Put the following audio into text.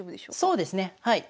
そうですねはい。